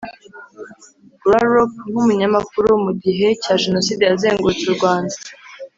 Grarup nk umunyamakuru mu gihe cya Jenoside yazengurutse u Rwanda